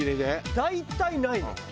大体ないの。